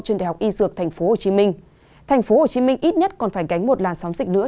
trường đại học y dược tp hcm tp hcm ít nhất còn phải gánh một làn sóng dịch nữa